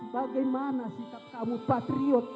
bagaimana sikap kamu patriot